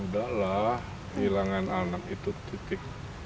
udahlah hilangan anak itu titik